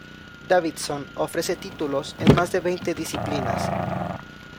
Davidson ofrece títulos en más de veinte disciplinas.